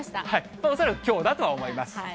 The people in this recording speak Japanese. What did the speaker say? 恐らくきょうだとは思います。